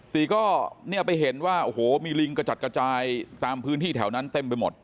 ตีก็เนี่ยไปเห็นว่าโอ้โหมีลิงกระจัดกระจายตามพื้นที่แถวนั้นเต็มไปหมด